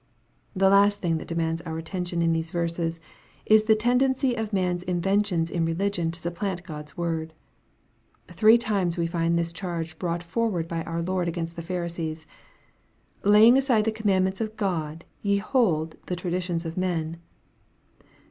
The last thing that demands our attention in these verses, is the tendency of man's inventions in religion to supplant God's word. Three times we find this charge brought forward by our Lord against the Pharisees. " Laying aside the commandments of God, ye hold the traditions of men."